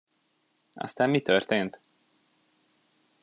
Aztán mi történt?